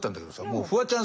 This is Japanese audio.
もうフワちゃん